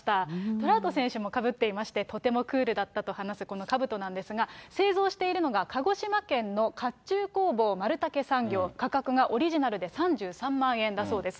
トラウト選手もかぶっていまして、とてもクールだったと話すこのかぶとなんですが、製造しているのが鹿児島県の甲冑工房丸武産業、価格がオリジナルで３３万円だそうです。